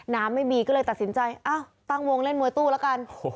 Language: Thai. น้ำไม่มีก็เลยตัดสินใจอ้าวตั้งวงเล่นมวยตู้แล้วกัน